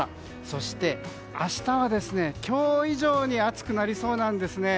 そして明日は今日以上に暑くなりそうなんですね。